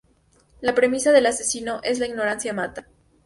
La premisa del asesino es "la ignorancia mata".